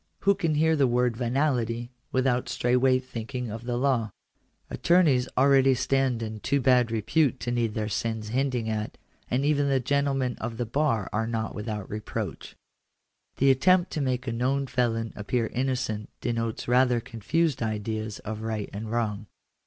Who can hear the word " venality " without straight way thinking of the law ? Attorneys already stand in too bad repute to need their sins hinting at ; and even the gentlemen of the bar are not without reproach. The attempt to make a known felon appear innocent denotes rather confused ideas of right and wrong.